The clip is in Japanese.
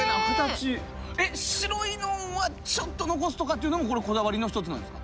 白いのはちょっと残すとかっていうのもこれこだわりの一つなんですか？